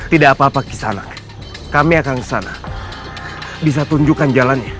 tidak apa apa kisana kami akan ke sana bisa tunjukkan jalannya